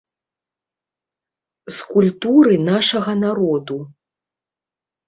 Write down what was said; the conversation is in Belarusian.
З культуры нашага народу.